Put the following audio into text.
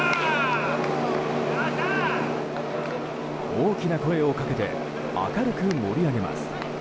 大きな声をかけて明るく盛り上げます。